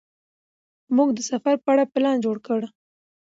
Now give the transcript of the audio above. موږ د سفر په اړه پلان جوړ کړ.